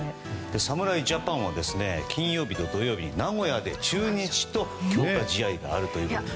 侍ジャパンは金曜日と土曜日に中日と強化試合があるということです。